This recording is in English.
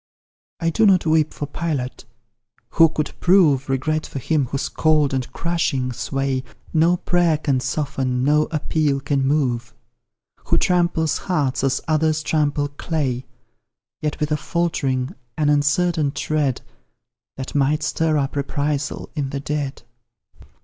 I do not weep for Pilate who could prove Regret for him whose cold and crushing sway No prayer can soften, no appeal can move: Who tramples hearts as others trample clay, Yet with a faltering, an uncertain tread, That might stir up reprisal in the dead.